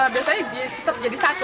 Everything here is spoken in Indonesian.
biasanya tetap jadi satu